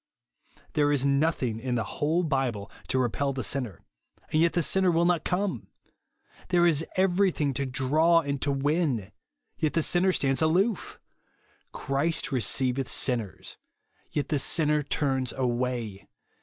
There is nothing in the whole Bible to JESUS ONLY. 193 repel the sinner, and j^et the sinner will not c ome ! There is everything to draw and to win ; yet the sinner stands aloof ! Christ receiveth sinners ; yet the sinner turns away